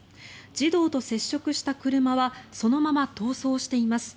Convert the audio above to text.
児童と接触した車はそのまま逃走しています。